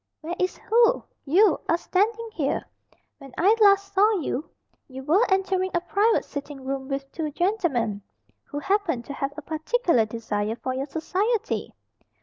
"Where is who? You are standing here. When I last saw you, you were entering a private sitting room with two gentlemen who happened to have a particular desire for your society."